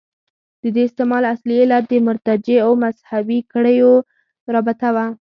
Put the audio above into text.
د دې استعمال اصلي علت د مرتجعو مذهبي کړیو رابطه وه.